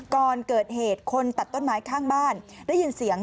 ก่อนเกิดเหตุคนตัดต้นไม้ข้างบ้านได้ยินเสียง